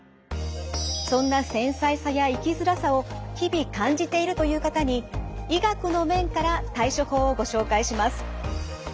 そんな繊細さや生きづらさを日々感じているという方に医学の面から対処法をご紹介します。